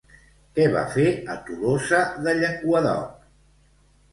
Què va fer a Tolosa de Llenguadoc?